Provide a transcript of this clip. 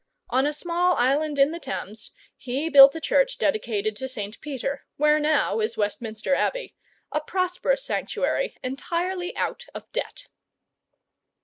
On a small island in the Thames he built a church dedicated to St. Peter, where now is Westminster Abbey, a prosperous sanctuary entirely out of debt.